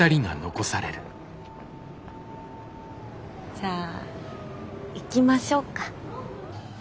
じゃあ行きましょうか。